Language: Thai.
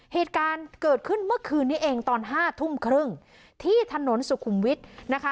เหตุการณ์เกิดขึ้นเมื่อคืนนี้เองตอนห้าทุ่มครึ่งที่ถนนสุขุมวิทย์นะคะ